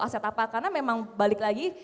aset apa karena memang balik lagi